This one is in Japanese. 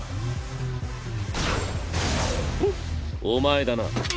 お前だな。